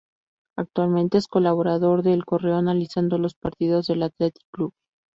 Actualmente es colaborador de El Correo analizando los partidos del Athletic Club.